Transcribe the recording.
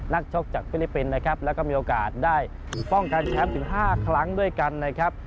ชกจากฟิลิปปินส์นะครับแล้วก็มีโอกาสได้ป้องกันแชมป์ถึง๕ครั้งด้วยกันนะครับ